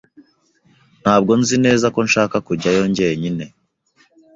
Ntabwo nzi neza ko nshaka kujyayo jyenyine.